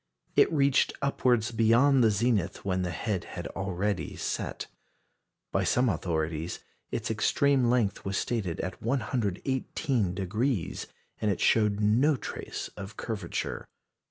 It reached upwards beyond the zenith when the head had already set. By some authorities its extreme length was stated at 118°, and it showed no trace of curvature.